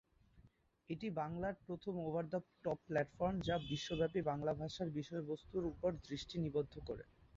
এটি বাংলার প্রথম ওভার দ্য টপ প্ল্যাটফর্ম যা বিশ্বব্যাপী বাংলা ভাষার বিষয়বস্তুর উপর দৃষ্টি নিবদ্ধ করে।